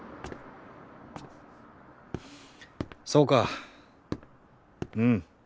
そうかうむ。